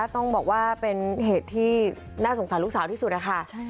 ต้องบอกว่าเป็นเหตุที่น่าสงสารลูกสาวที่สุดนะคะ